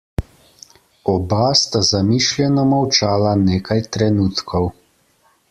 Oba sta zamišljeno molčala nekaj trenutkov.